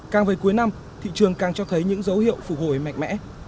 càng về cuối năm thị trường càng cho thấy những dấu hiệu phục hồi mạnh mẽ